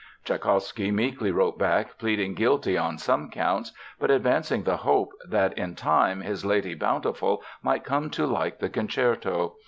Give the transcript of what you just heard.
Tschaikowsky meekly wrote back pleading guilty on some counts but advancing the hope that in time his Lady Bountiful might come to like the concerto.